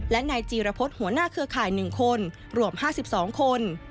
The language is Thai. และนายจีรพฤษหัวหน้าเครือข่าย๑คนรวม๕๒คน